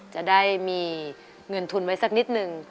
จะได้มีเงินทุนไว้สักนิดนึง